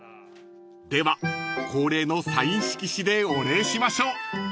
［では恒例のサイン色紙でお礼しましょう］